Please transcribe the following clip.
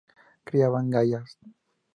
Criaban llamas.